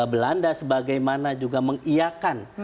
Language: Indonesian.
belanda sebagaimana juga mengiakan